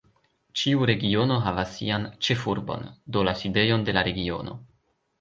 Ĉiu regiono havas sian "ĉefurbon", do la sidejon de la regiono.